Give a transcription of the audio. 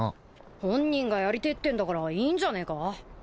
本人がやりてえってんだからいいんじゃねえか？